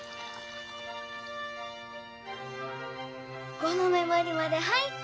５の目もりまで入った！